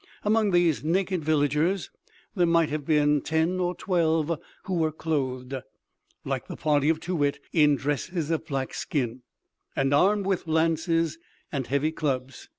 Among these naked villagers there might have been ten or twelve who were clothed, like the party of Too wit, in dresses of black skin, and armed with lances and heavy clubs.